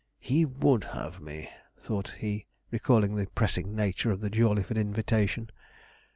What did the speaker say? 'He would have me,' thought he, recalling the pressing nature of the Jawleyford invitation.